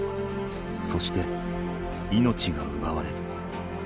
そして命が奪われる。